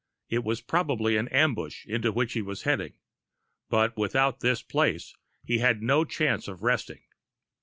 It was probably an ambush into which he was heading but without this place, he had no chance of resting.